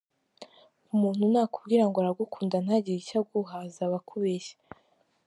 Umuntu nakubwira ngo aragukunda ntagire icyo aguha, azaba akubesha.